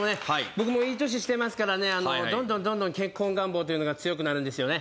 僕もいい年してますからねどんどんどんどん結婚願望というのが強くなるんですよね